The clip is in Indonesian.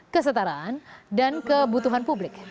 kesetaraan dan kebutuhan publik